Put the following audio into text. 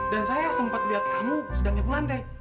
dan saya sempat lihat kamu sedang nyepu lantai